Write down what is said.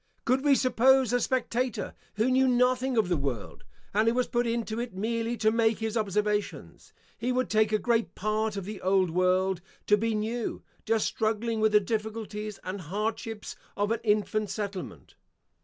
Could we suppose a spectator who knew nothing of the world, and who was put into it merely to make his observations, he would take a great part of the old world to be new, just struggling with the difficulties and hardships of an infant settlement.